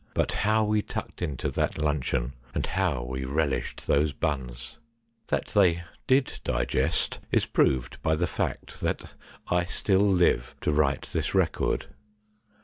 But how we tucked into that luncheon, and how we relished those buns ! That they did digest is proved by the fact that I still live to write this record.